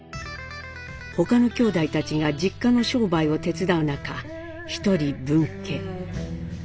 他の兄弟たちが実家の商売を手伝う中一人分家。